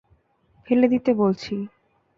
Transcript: ফেলে দিতে বলছি।